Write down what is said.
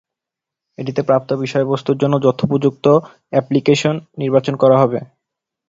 এটিতে প্রাপ্ত বিষয়বস্তুর জন্য যথোপযুক্ত অ্যাপলিকেশন নির্বাচন করা হবে।